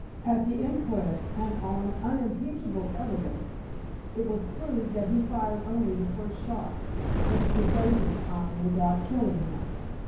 At the inquest, and on unimpeachable evidence, it was proved that he fired only the first shot, which disabled Pine without killing him.